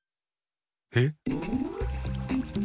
えっ？